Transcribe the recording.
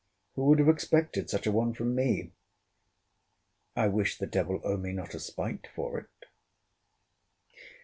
Who would have expected such a one from me! I wish the devil owe me not a spite for it.